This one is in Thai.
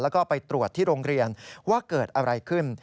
แล้วก็ไปตรวจที่โรงเรียนว่าเกิดอะไรขึ้น